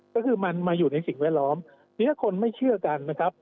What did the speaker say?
ก็คือมันมาอยู่ในสิ่งแวดล้อมทีนี้ถ้าคนไม่เชื่อกันนะครับ